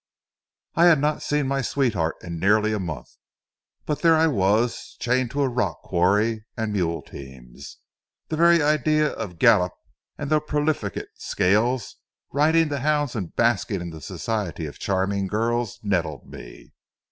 I had not seen my sweetheart in nearly a month, but there I was, chained to a rock quarry and mule teams. The very idea of Gallup and the profligate Scales riding to hounds and basking in the society of charming girls nettled me.